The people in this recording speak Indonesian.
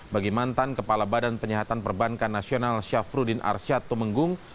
bagi mantan kepala badan penyihatan perbankan nasional syafruddin arsyad tumenggung